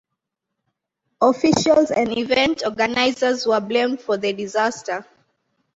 Officials and event organizers were blamed for the disaster.